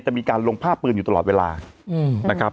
จะมีการลงภาพปืนอยู่ตลอดเวลานะครับ